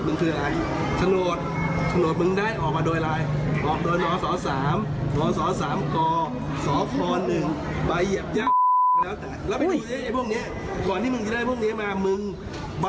มีคุณให้เกลียดหน่อยครับ